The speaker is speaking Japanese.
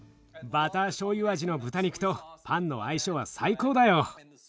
バターしょうゆ味の豚肉とパンの相性は最高だよ。